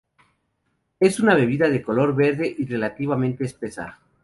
Es una bebida de color verde y relativamente espesa.